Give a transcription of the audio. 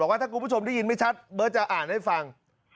บอกว่าท่านกลุ่มผู้ชมได้ยินไม่ชัดเบอร์จะอ่านให้ฟัง